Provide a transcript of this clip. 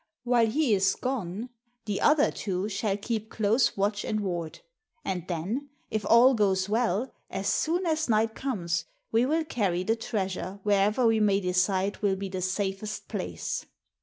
While he is gone, the other two shall keep close watch and ward ; and then, if all goes well, as soon as night comes, we will carry the treasure wherever we may decide will be the safest place."